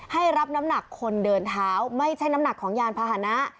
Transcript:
ให้รับน้ำหนักคนเดินเท้าไม่ใช่น้ำหนักของยานพาหนะ